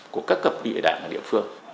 của các cập địa đảng ở địa phương